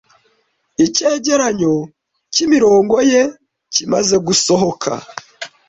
Icyegeranyo cyimirongo ye kimaze gusohoka.